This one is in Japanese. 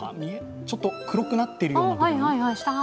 ちょっと黒くなっているような部分。